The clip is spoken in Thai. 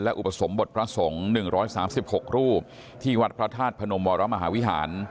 อุปสมบทพระสงฆ์๑๓๖รูปที่วัดพระธาตุพนมวรมหาวิหาร